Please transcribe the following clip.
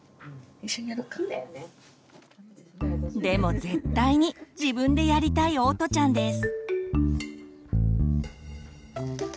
でも絶対に自分でやりたいおとちゃんです。